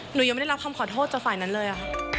หนูยังไม่ได้รับคำขอโทษจากฝ่ายนั้นเลยค่ะ